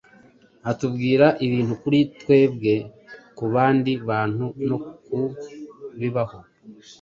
Atubwira ibintu kuri twebwe, ku bandi bantu no ku bibaho,